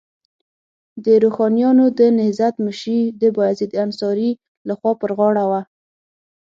د روښانیانو د نهضت مشري د بایزید انصاري لخوا پر غاړه وه.